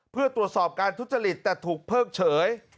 เพื่อตรวจสอบการทุจริตแต่ถูกเพิกเฉย